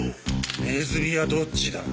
ネズミはどっちだ？